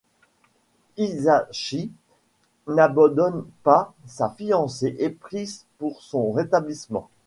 Hisashi n'abandonne pas sa fiancée et prie pour son rétablissement.